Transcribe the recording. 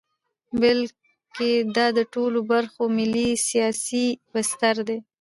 بلکې دا د ټولو برخو ملي سیاسي بستر دی.